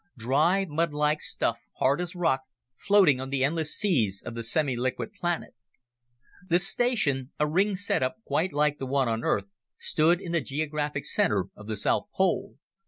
Dry, mudlike stuff, hard as rock, floating on the endless seas of the semiliquid planet. The station, a ringed setup quite like the one on Earth, stood in the geographic center of the south pole.